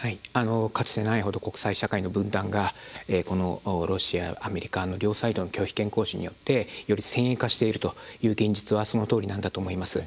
かつてないほど国際社会の分断がこのロシアアメリカの両サイドの拒否権行使によってより先鋭化しているという現実はそのとおりなんだと思います。